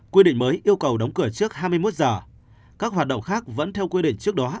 quy định mới yêu cầu đóng cửa trước hai mươi một giờ các hoạt động khác vẫn theo quy định trước đó